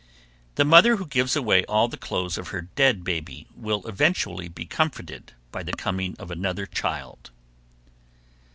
The mother who gives away all the clothes of her dead baby will eventually be comforted by the coming of another child.